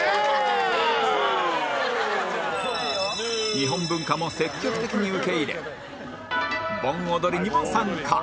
日本文化も積極的に受け入れ盆踊りにも参加